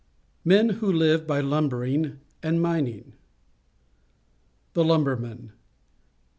MEN WHO LIVE BY LUMBERING AND MINING The Lumbermen.